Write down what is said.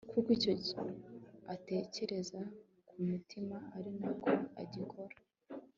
kuko icyo atekereza ku mutima ari na ko agikora